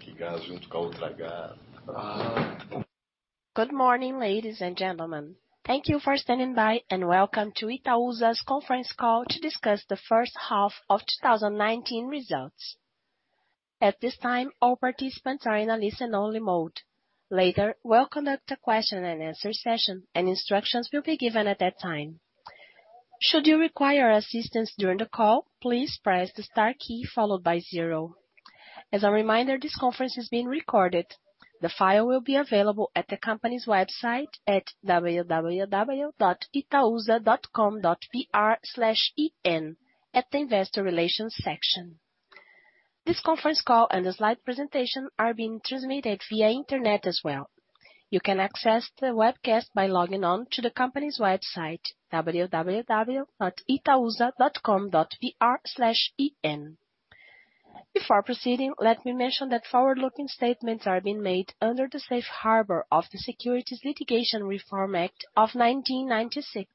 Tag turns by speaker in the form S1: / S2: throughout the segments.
S1: Together with the other H.
S2: Good morning, ladies and gentlemen. Thank you for standing by, and welcome to Itaúsa's conference call to discuss the first half of 2019 results. At this time, all participants are in a listen-only mode. Later, we'll conduct a question and answer session, and instructions will be given at that time. Should you require assistance during the call, please press the star key followed by 0. As a reminder, this conference is being recorded. The file will be available at the company's website at www.itausa.com.br/en at the investor relations section. This conference call and the slide presentation are being transmitted via internet as well. You can access the webcast by logging on to the company's website www.itausa.com.br/en. Before proceeding, let me mention that forward-looking statements are being made under the safe harbor of the Private Securities Litigation Reform Act of 1995.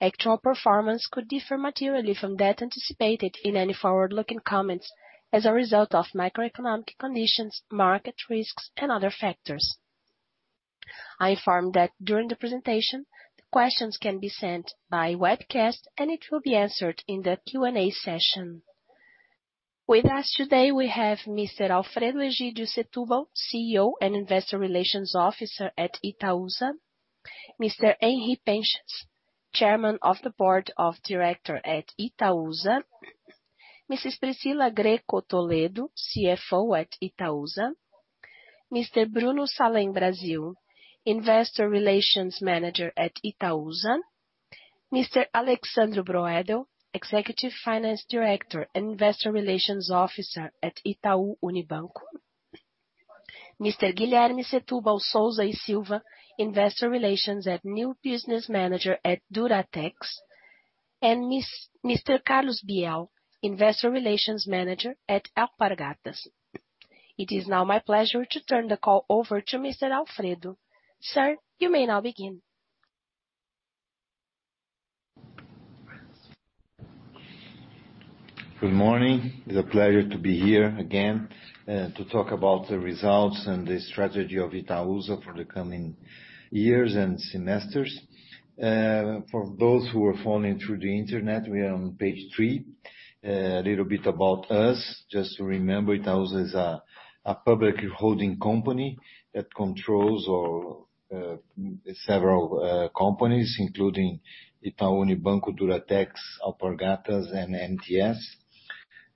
S2: Actual performance could differ materially from that anticipated in any forward-looking comments as a result of macroeconomic conditions, market risks, and other factors. I inform that during the presentation, the questions can be sent by webcast, and it will be answered in the Q&A session. With us today, we have Mr. Alfredo Egydio Setubal, CEO and Investor Relations Officer at Itaúsa, Mr. Henri Penchas, Chairman of the Board of Directors at Itaúsa. Mrs. Priscila Grecco Toledo, CFO at Itaúsa, Mr. Bruno Salem Brasil, Investor Relations Manager at Itaúsa, Mr. Alexsandro Broedel, Executive Finance Director and Investor Relations Officer at Itaú Unibanco, Mr. Guilherme Setubal Souza e Silva, Investor Relations at New Business Manager at Duratex, and Mr. Carlos Biel, Investor Relations Manager at Alpargatas. It is now my pleasure to turn the call over to Mr. Alfredo. Sir, you may now begin.
S1: Good morning. It's a pleasure to be here again, to talk about the results and the strategy of Itaúsa for the coming years and semesters. For those who are following through the internet, we are on page three. A little bit about us. Just to remember, Itaúsa is a public holding company that controls several companies, including Itaú Unibanco, Duratex, Alpargatas, and NTS.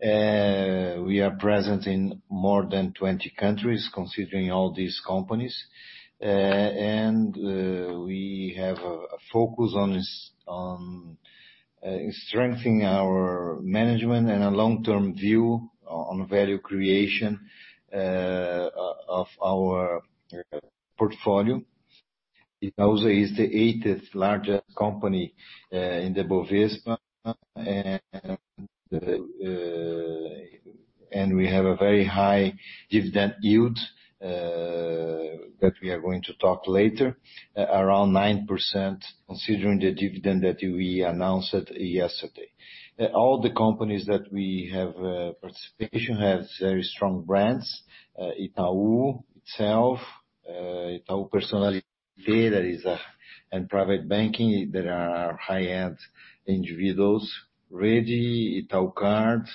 S1: We are present in more than 20 countries considering all these companies. We have a focus on strengthening our management and a long-term view on value creation of our portfolio. Itaúsa is the eighth largest company in the Bovespa, and we have a very high dividend yield that we are going to talk later, around 9%, considering the dividend that we announced yesterday. All the companies that we have participation have very strong brands. Itaú itself, Itaú Personnalité and private banking that are high-end individuals, ready, Itaucard.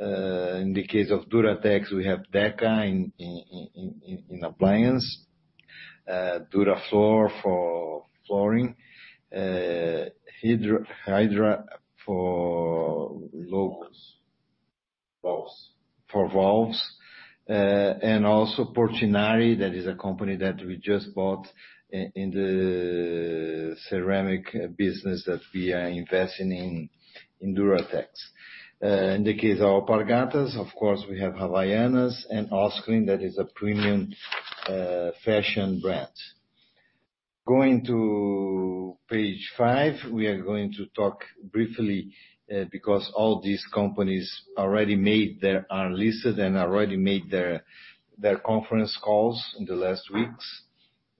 S1: In the case of Duratex, we have Deca in appliance, Durafloor for flooring, Hydra for valves. Also Portinari, that is a company that we just bought in the ceramic business that we are investing in Duratex. In the case of Alpargatas, of course, we have Havaianas and Osklen that is a premium fashion brand. Going to page five, we are going to talk briefly because all these companies are listed and already made their conference calls in the last weeks.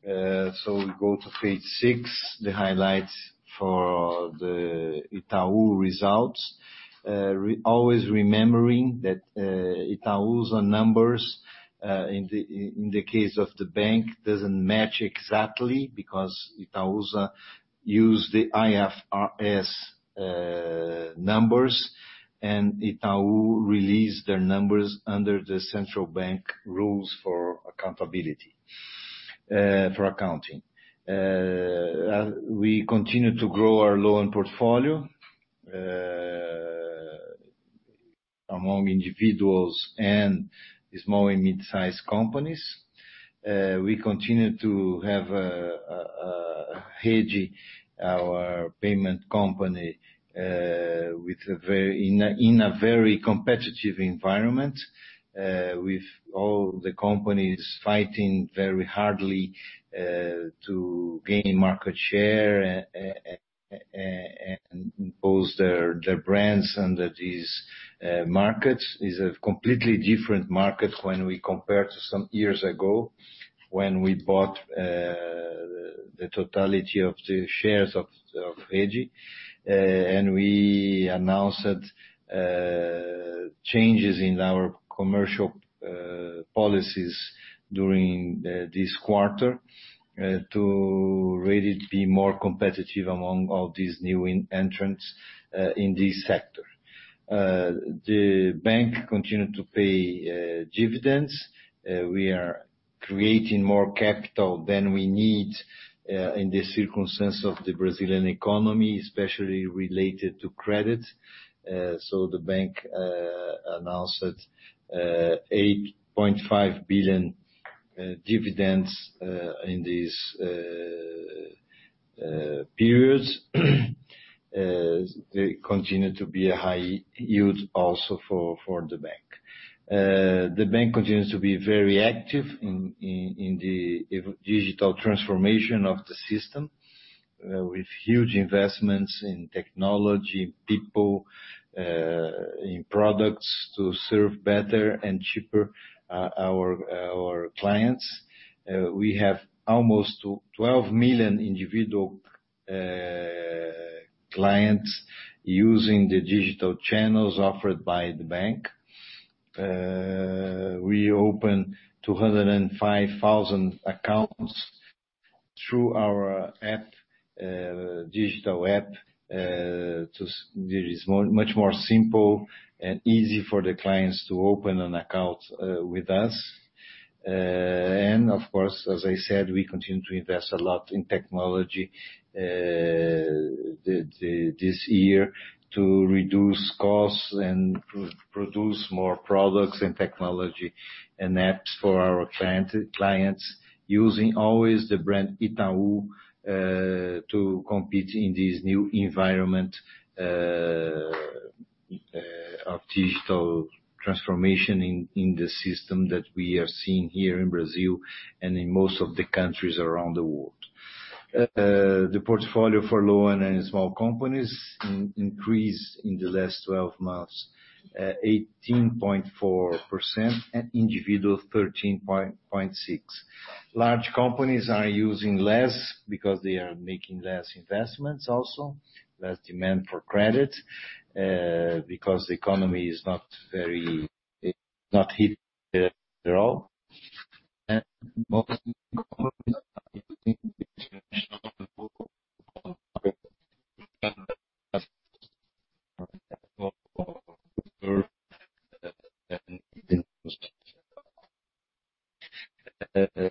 S1: We go to page six, the highlights for the Itaú results. Always remembering that Itaúsa numbers, in the case of the bank, doesn't match exactly because Itaúsa use the IFRS numbers and Itaú release their numbers under the central bank rules for accountability, for accounting. We continue to grow our loan portfolio among individuals and small and mid-size companies. We continue to have a hedge our payment company in a very competitive environment, with all the companies fighting very hard to gain market share and impose their brands in these markets. It is a completely different market when we compare to some years ago when we bought the totality of the shares of Rede. We announced changes in our commercial policies during this quarter to really be more competitive among all these new entrants in this sector. The bank continued to pay dividends. We are creating more capital than we need in the circumstance of the Brazilian economy, especially related to credit. The bank announced 8.5 billion dividends in these periods. They continue to be a high yield also for the bank. The bank continues to be very active in the digital transformation of the system, with huge investments in technology, people, in products to serve better and cheaper our clients. We have almost 12 million individual clients using the digital channels offered by the bank. We opened 205,000 accounts through our digital app. It is much more simple and easy for the clients to open an account with us. Of course, as I said, we continue to invest a lot in technology this year to reduce costs and produce more products and technology and apps for our clients, using always the brand Itaú, to compete in this new environment of digital transformation in the system that we are seeing here in Brazil and in most of the countries around the world. The portfolio for loan and small companies increased in the last 12 months, 18.4%, and individual 13.6%. Large companies are using less because they are making less investments also, less demand for credit, because the economy is not hitting at all. Most became more important for the company and according the strategy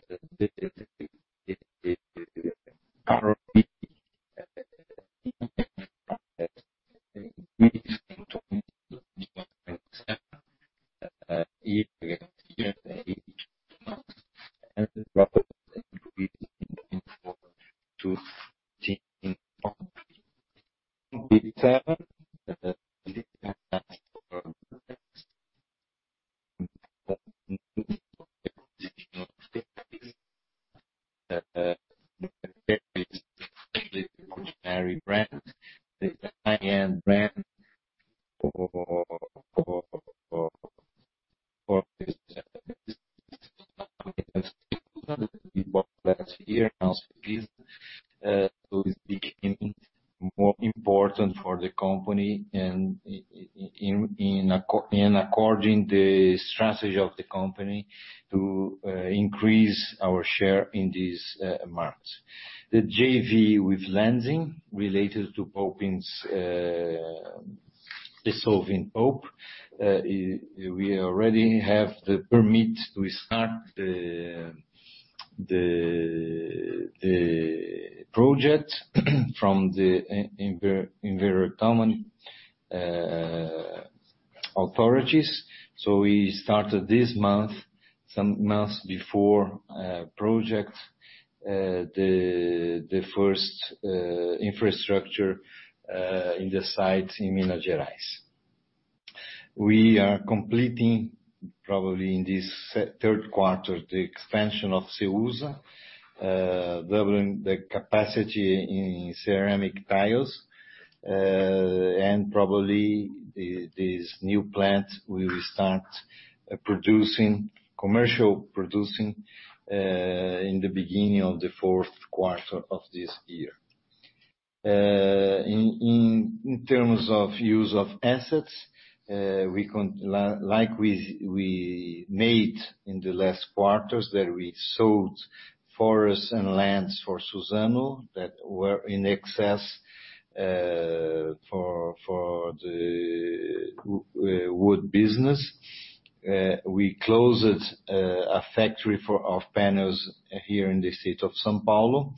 S1: of the company to increase our share in these markets. The JV with Lenzing related to dissolving pulp, we already have the permit to start the project from the environmental authorities. We started this month, some months before, project the first infrastructure, in the site in Minas Gerais. We are completing, probably in this third quarter, the expansion of Ceusa, doubling the capacity in ceramic tiles. Probably this new plant will start commercial producing, in the beginning of the fourth quarter of this year. In terms of use of assets, like we made in the last quarters, that we sold forests and lands for Suzano that were in excess for the wood business. We closed a factory of panels here in the state of São Paulo.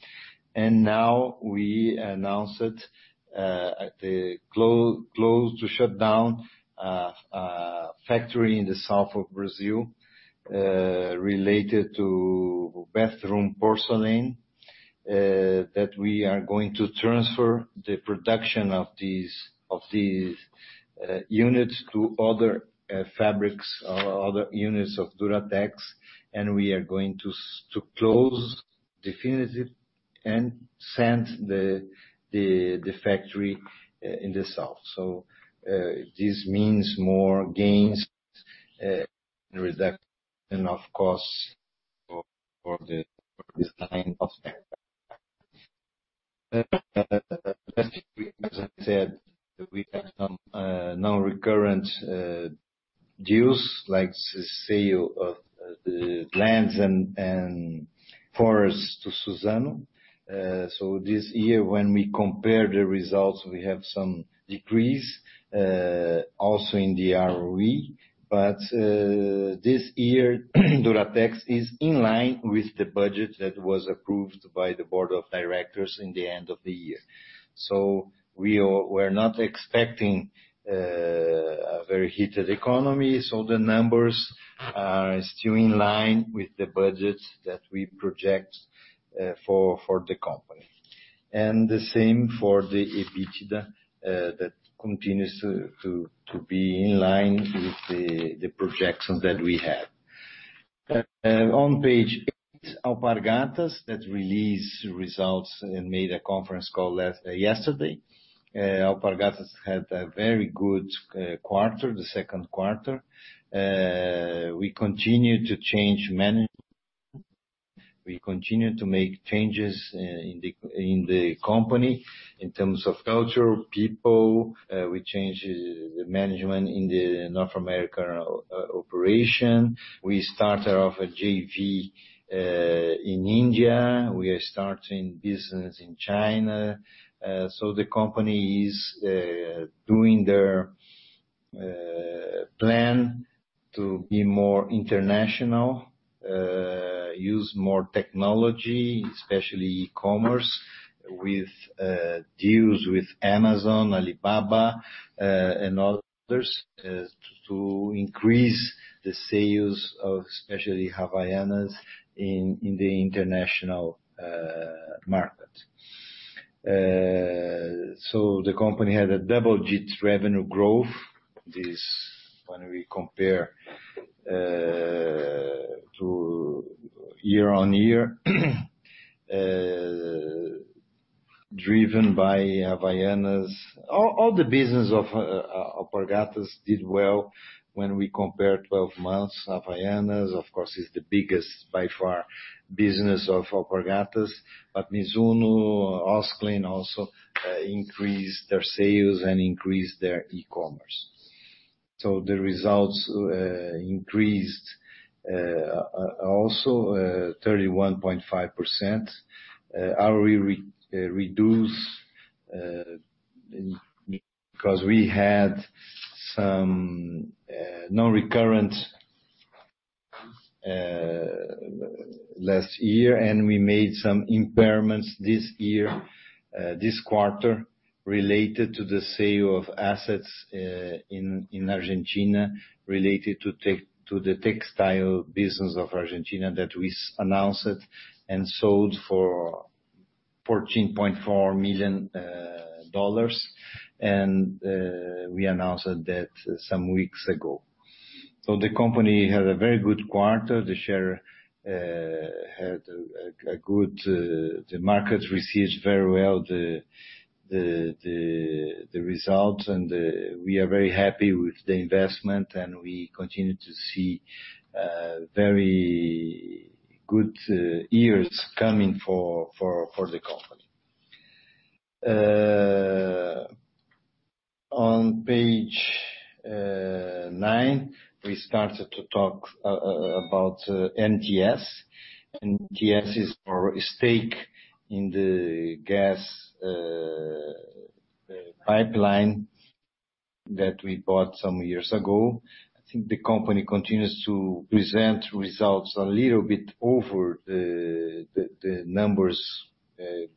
S1: Now we announced it, close to shut down a factory in the south of Brazil, related to bathroom porcelain, that we are going to transfer the production of these units to other factories or other units of Duratex, and we are going to close definitively the factory in the south. This means more gains, reduction of costs for this line of as I said, that we have some non-recurrent deals, like the sale of the lands and forests to Suzano. This year when we compare the results, we have some decrease, also in the ROE. This year, Duratex is in line with the budget that was approved by the board of directors in the end of the year. We're not expecting a very heated economy, so the numbers are still in line with the budgets that we project for the company. The same for the EBITDA, that continues to be in line with the projections that we had. On page eight, Alpargatas that released results and made a conference call yesterday. Alpargatas had a very good quarter, the second quarter. We continue to change management, we continue to make changes in the company in terms of culture, people. We changed the management in the North America operation. We started off a JV in India. We are starting business in China. The company is doing their plan to be more international, use more technology, especially commerce, with deals with Amazon, Alibaba, and others to increase the sales of especially Havaianas in the international market. The company had a double-digit revenue growth. This when we compare to year-over-year, driven by Havaianas. All the business of Alpargatas did well when we compare 12 months. Havaianas, of course, is the biggest by far business of Alpargatas. Mizuno, Osklen also increased their sales and increased their e-commerce. The results increased also 31.5%. ROE reduced because we had some non-recurrent last year, and we made some impairments this year, this quarter, related to the sale of assets in Argentina related to the textile business of Argentina that we announced and sold for $14.4 million. We announced that some weeks ago. The company had a very good quarter. The market received very well the results, and we are very happy with the investment, and we continue to see very good years coming for the company. On page nine, we started to talk about NTS. NTS is our stake in the gas pipeline that we bought some years ago. I think the company continues to present results a little bit over the numbers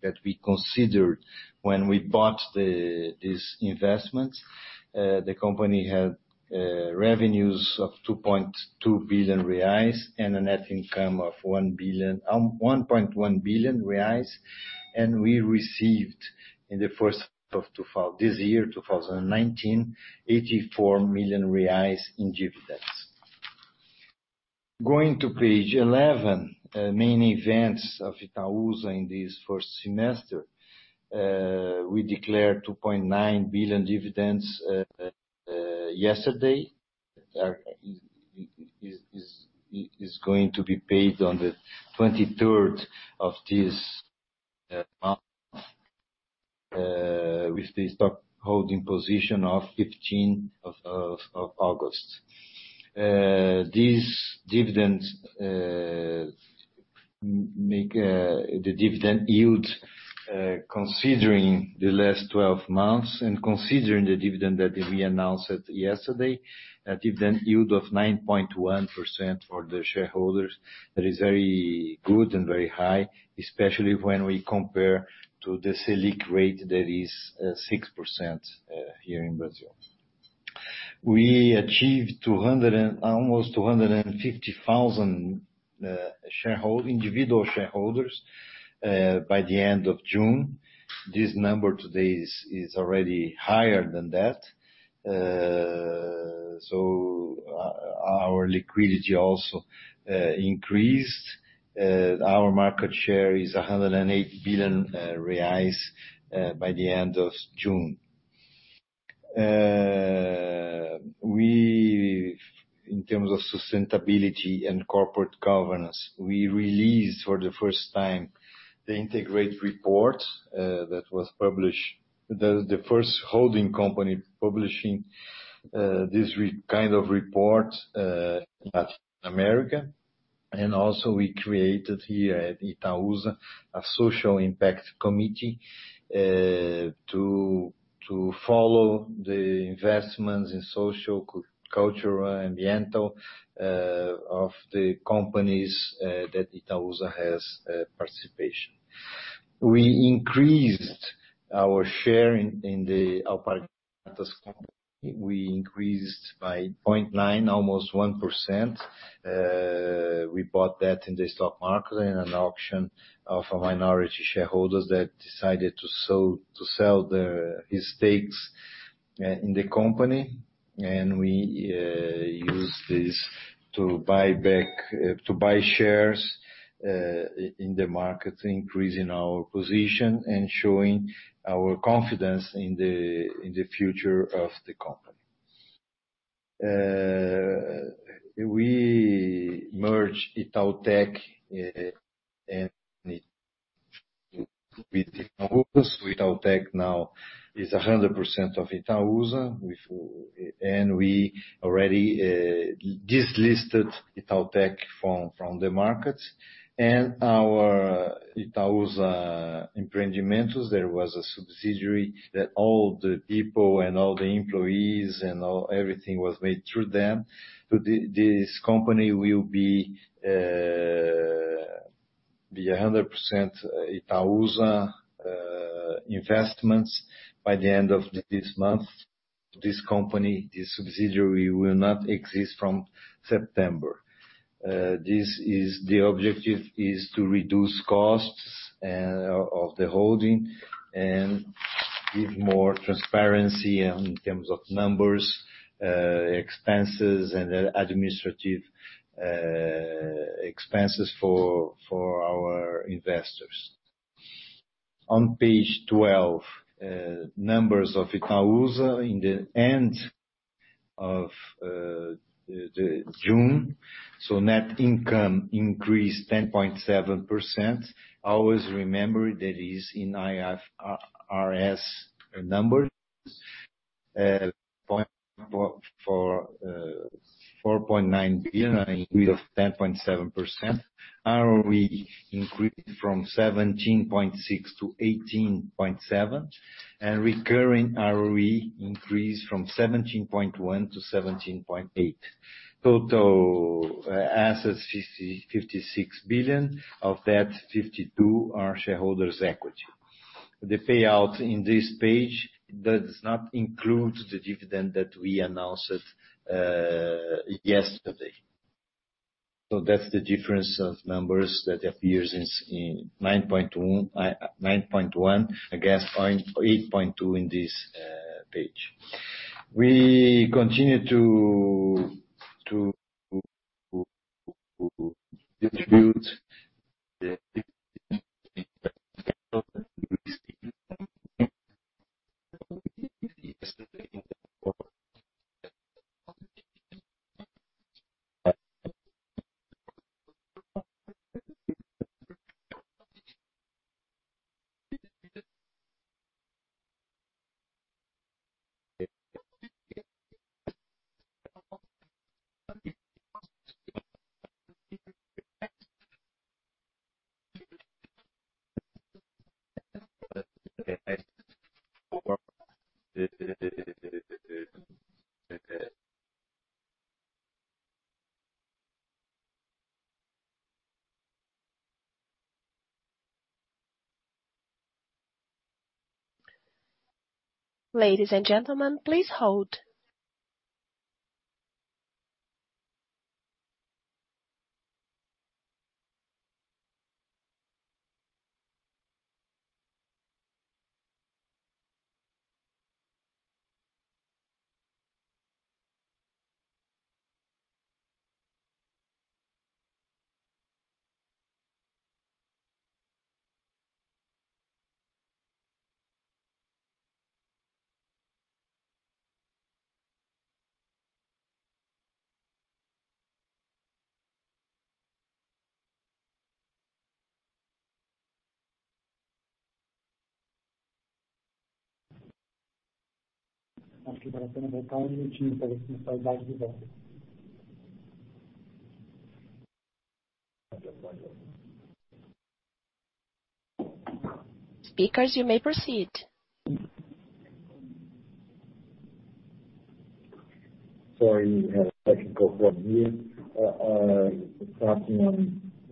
S1: that we considered when we bought this investment. The company had revenues of 2.2 billion reais and a net income of 1.1 billion reais. We received in the first half this year, 2019, 84 million reais in dividends. Going to page 11, main events of Itaúsa in this first semester. We declared 2.9 billion dividends yesterday. It is going to be paid on the 23rd of this month with the stock holding position of 15th of August. This dividend make the dividend yield considering the last 12 months and considering the dividend that we announced yesterday, a dividend yield of 9.1% for the shareholders. That is very good and very high, especially when we compare to the Selic rate that is 6% here in Brazil. We achieved almost 250,000 individual shareholders by the end of June. This number today is already higher than that. Our liquidity also increased. Our market share is 108 billion reais by the end of June. We, in terms of sustainability and corporate governance, we released for the first time the integrated report that was published, the first holding company publishing this kind of report in Latin America. Also we created here at Itaúsa, a social impact committee, to follow the investments in social, cultural, and environmental of the companies that Itaúsa has participation. We increased our share in the Alpargatas company. We increased by 0.9, almost 1%. We bought that in the stock market in an auction of minority shareholders that decided to sell his stakes in the company. We used this to buy shares in the market, increasing our position and showing our confidence in the future of the company. We merged Itautec and with Itaúsa. Itautec now is 100% of Itaúsa, and we already delisted Itautec from the market. Our Itaúsa Empreendimentos, there was a subsidiary that all the people and all the employees and everything was made through them. This company will be 100% Itaúsa by the end of this month. This company, this subsidiary will not exist from September. The objective is to reduce costs of the holding and give more transparency in terms of numbers, expenses, and administrative expenses for our investors. On page 12, numbers of Itaúsa in the end of June. Net income increased 10.7%. Always remember that is in IFRS numbers, 4.9 billion, an increase of 10.7%. ROE increased from 17.6%-18.7%, recurring ROE increased from 17.1%-17.8%. Total assets, 56 billion. Of that, 52 billion are shareholders' equity. The payout in this page does not include the dividend that we announced yesterday. That's the difference of numbers that appears in 9.1 against 8.2 in this page. We continue to distribute.
S2: Ladies and gentlemen, please hold. Speakers, you may proceed.
S1: Sorry, technical problem here.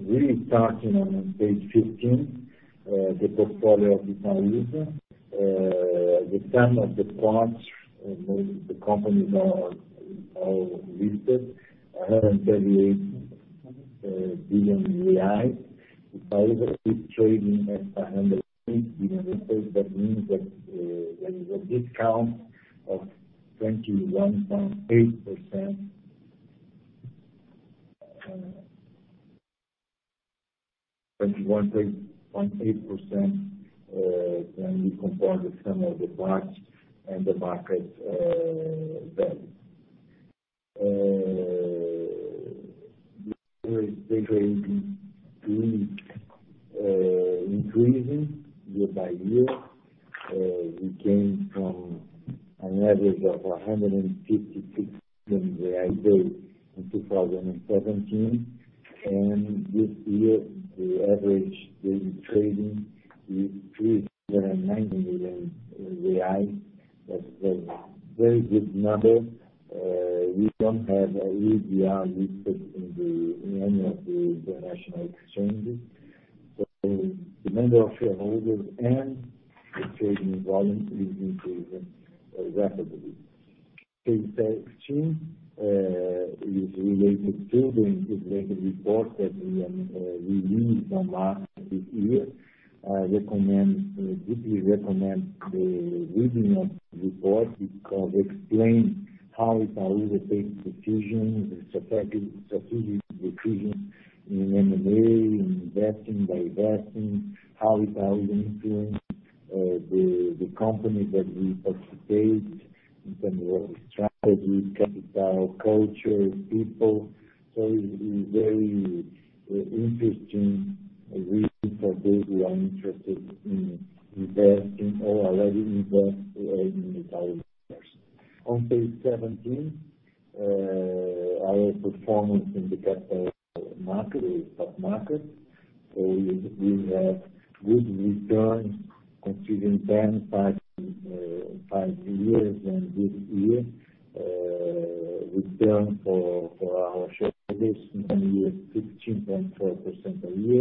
S1: Really starting on page 15, the portfolio of Itaúsa. The term of the parts, the companies are all listed, 138 Billion BRL. Itaú is trading at BRL 108 billion. That means that there is a discount of 21.8% than we compare the sum of the parts and the market value. Daily trading is increasing year-by-year. We gained from an average of 156 billion there in 2017. This year, the average daily trading is 390 million reais. That's a very good number. We don't have Itaú listed in any of the international exchanges. The number of shareholders and the trading volume is improving rapidly. Page 16 is related to the integrated report that we released on last this year. I deeply recommend the reading of the report because it explains how Itaú takes decisions and strategic decisions in M&A, in investing, divesting, how Itaú influence the companies that we participate in terms of strategy, capital, culture, people. It's a very interesting read for those who are interested in investing or already invest in Itaú shares. On page 17, our performance in the capital stock market. We have good returns considering 10, five years and this year. Return for our shareholders in 10 years, 15.4% a year.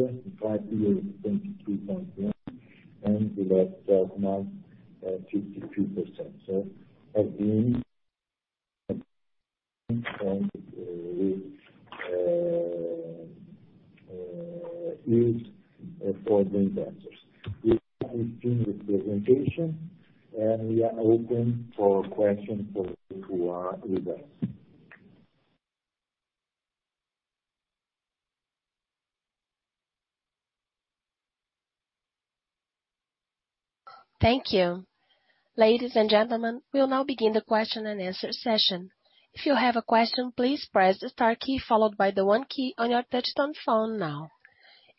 S1: In five years, 23.1%, and the last 12 months, 52%. Again, good news for the investors. This concludes the presentation, and we are open for questions for those who are with us.
S2: Thank you. Ladies and gentlemen, we'll now begin the question-and-answer session. If you have a question, please press the star key followed by the one key on your touchtone phone now.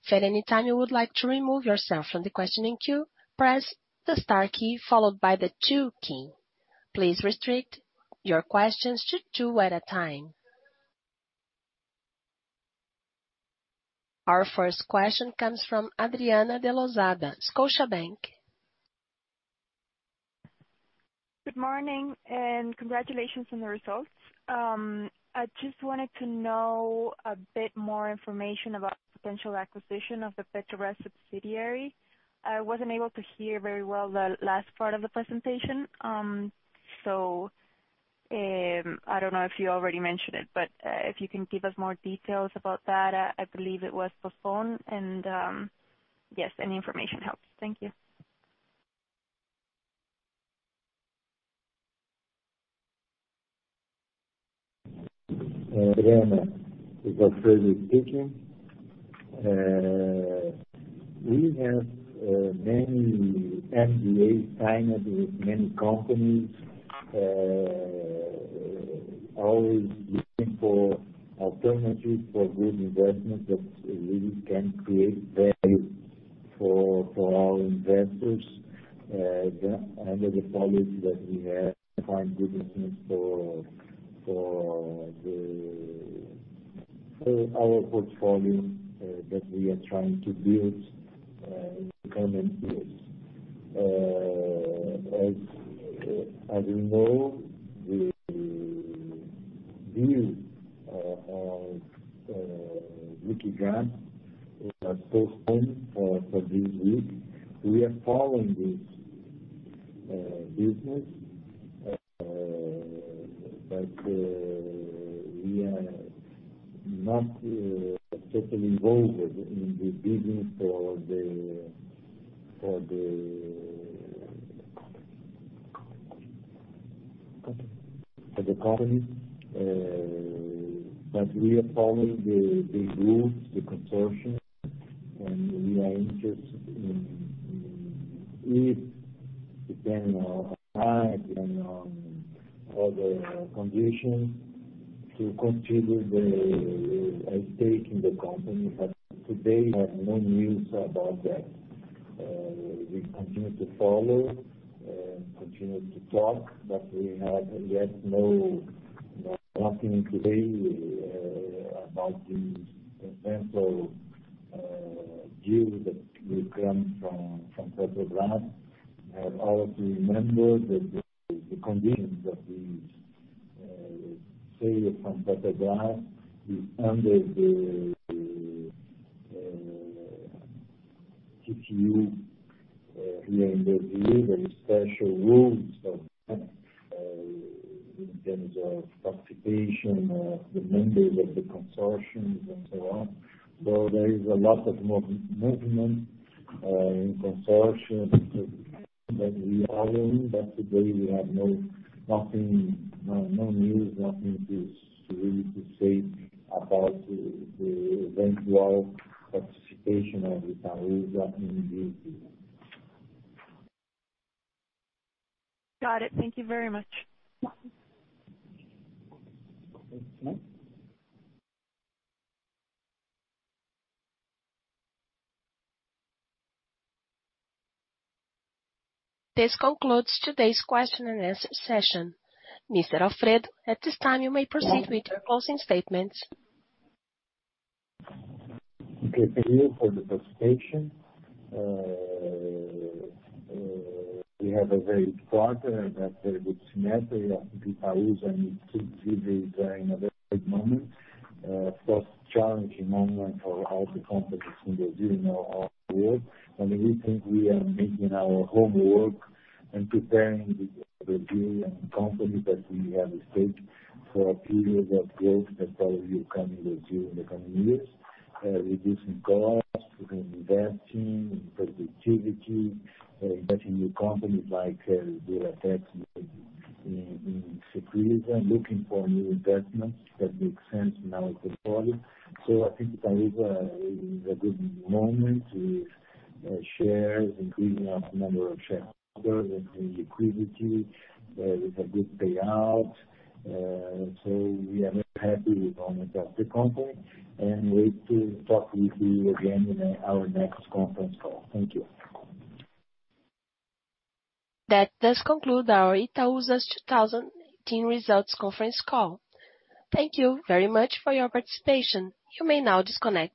S2: If at any time you would like to remove yourself from the questioning queue, press the star key followed by the two key. Please restrict your questions to two at a time. Our first question comes from Adriana de Lozada, Scotiabank.
S3: Good morning, and congratulations on the results. I just wanted to know a bit more information about potential acquisition of the Petrobras subsidiary. I wasn't able to hear very well the last part of the presentation. I don't know if you already mentioned it, but if you can give us more details about that, I believe it was postponed. Yes, any information helps. Thank you.
S1: Adriana, it's Alfredo speaking. We have many M&A signed with many companies. Always looking for alternatives for good investments that really can create value for our investors. Under the policy that we have to find good business for our portfolio that we are trying to build in the coming years. As you know, the deal of Petrobras was postponed for this week. We are following this business, we are not totally involved in the business for the company. We are following the groups, the consortium, and we are interested in it, depending on the price, depending on other conditions, to contribute a stake in the company. Today we have no news about that. We continue to follow and continue to talk, but we have yet no announcement today about this potential deal that will come from Petrobras. You have all to remember that the conditions of this sale from Petrobras is under theGive to you here in Brazil, there is special rules of that, in terms of participation of the members of the consortium and so on. There is a lot of movement in consortium that we are in, but today we have no news, nothing really to say about the eventual participation of Itaúsa in this business.
S3: Got it. Thank you very much.
S1: Okay. Thanks.
S2: This concludes today's question and answer session. Mr. Alfred, at this time, you may proceed with your closing statements.
S1: Okay, thank you for the participation. We have a very strong and very good semester. I think Itaúsa is in a very good moment. Of course, challenging moment for all the companies in Brazil and all over the world. We think we are making our homework and preparing the Brazilian company that we have a stake for a period of growth that all of you can review in the coming years. Reducing costs and investing in productivity, investing in new companies like Duratex did in Cecrisa, looking for new investments that make sense in our portfolio. I think Itaúsa is in a good moment with shares, increasing our number of shareholders and the liquidity. It's a good payout. We are very happy with all aspects of the company and wait to talk with you again in our next conference call. Thank you.
S2: That does conclude our Itaúsa's 2018 results conference call. Thank you very much for your participation. You may now disconnect.